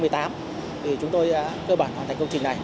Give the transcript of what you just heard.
thì chúng tôi đã cơ bản